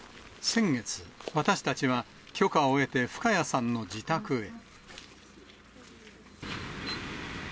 先月、私たちは許可を得て、深谷さんの自宅へ。